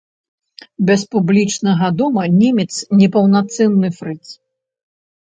Без публічнага дома немец непаўнацэнны фрыц.